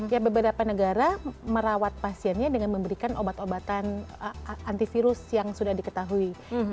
ya beberapa negara merawat pasiennya dengan memberikan obat obatan antivirus yang sudah diketahui